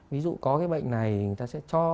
ví dụ có cái bệnh này người ta sẽ cho